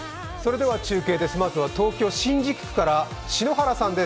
中継です、まずは東京・新宿区から篠原さんです。